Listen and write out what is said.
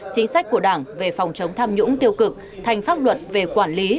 chính sách của đảng về phòng chống tham nhũng tiêu cực thành pháp luật về quản lý